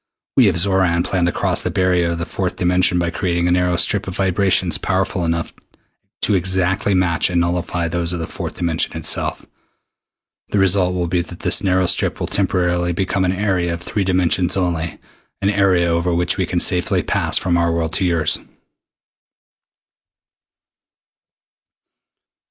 We of Xoran plan to cross the barrier of the fourth dimension by creating a narrow strip of vibrations powerful enough to exactly match and nullify those of the fourth dimension itself. The result will be that this narrow strip will temporarily become an area of three dimensions only, an area over which we can safely pass from our world to yours."